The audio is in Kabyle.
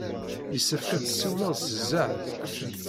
Yessefk ad tessiwled s zzeɛḍ.